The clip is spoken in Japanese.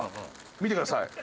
見てください。